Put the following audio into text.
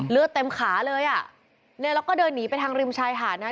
เลือดเต็มขาเลยอ่ะเนี่ยแล้วก็เดินหนีไปทางริมชายหาดนะ